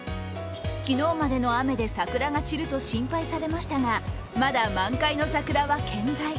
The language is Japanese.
昨日までの雨で桜が散ると心配されましたがまだ満開の桜は健在。